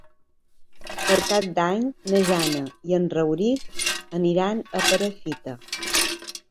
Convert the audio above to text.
Per Cap d'Any na Jana i en Rauric iran a Perafita.